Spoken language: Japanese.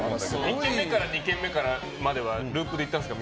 １軒目から２軒まではループで行ったんですか？